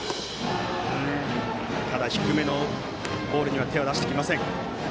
ただ低めのボールには手を出してきません。